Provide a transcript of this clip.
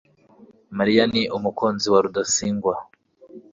mariya ni umukunzi wa rudasingwa (wallebot